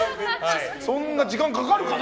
そんな時間かかるかな？